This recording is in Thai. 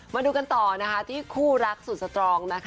มาดูกันต่อนะคะที่คู่รักสุดสตรองนะคะ